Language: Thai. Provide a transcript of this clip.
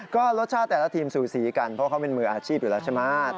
ก็รสชาติแต่ละทีมสูสีกันเพราะเขาเป็นมืออาชีพอยู่แล้วใช่ไหม